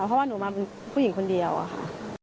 เพราะว่าหนูมาเป็นผู้หญิงคนเดียวอะค่ะ